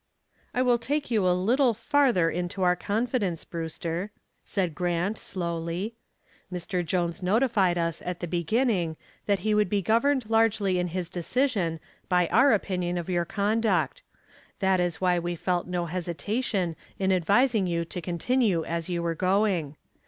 "I will take you a little farther into our confidence, Brewster," said Grant, slowly. "Mr. Jones notified us at the beginning that he would be governed largely in his decision by our opinion of your conduct. That is why we felt no hesitation in advising you to continue as you were going.